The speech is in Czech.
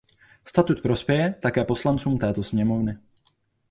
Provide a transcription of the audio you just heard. Statut prospěje také poslancům této sněmovny.